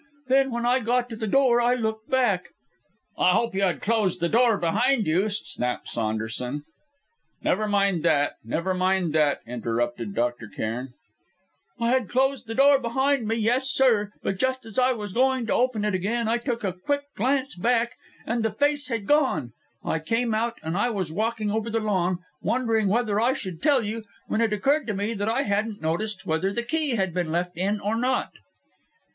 Then when I got to the door, I looked back." "I hope you had closed the door behind you," snapped Saunderson. "Never mind that, never mind that!" interrupted Dr. Cairn. "I had closed the door behind me yes, sir but just as I was going to open it again, I took a quick glance back, and the face had gone! I came out, and I was walking over the lawn, wondering whether I should tell you, when it occurred to me that I hadn't noticed whether the key had been left in or not."